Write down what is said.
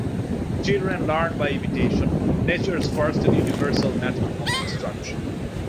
Children learn by imitation, nature's first and universal method of instruction.